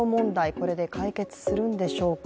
これで解決するんでしょうか？